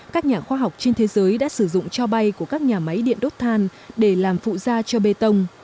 các nhà khoa học trên thế giới đã sử dụng cho bay của các nhà máy điện đốt than để làm phụ da cho bê tông